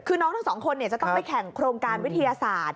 คือน้องทั้งสองคนจะต้องไปแข่งโครงการวิทยาศาสตร์